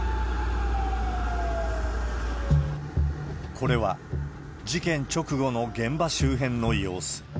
これは事件直後の現場周辺の様子。